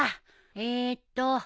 えっと。